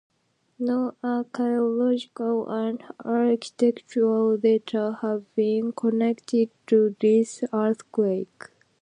No archaeological and architectural data have been connected to this earthquake.